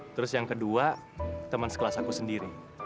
terus yang kedua teman sekelas aku sendiri